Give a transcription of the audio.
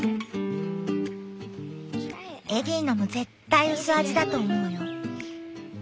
エリーのも絶対薄味だと思うよ。